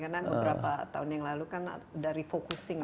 karena beberapa tahun yang lalu kan dari focusing